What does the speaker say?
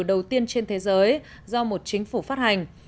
đầu tiên trên thế giới do một chính phủ phát hành